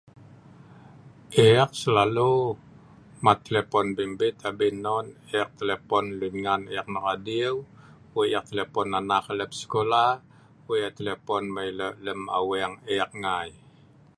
eek slalu mat telepon bimbit abin non, eek telepon lun ngan eek ma' adiu, wei' eek telepon anak eek lem skola, wei' eek telepon mai lo' lem aweng eek ngai